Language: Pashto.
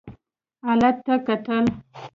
حالت ته کتل.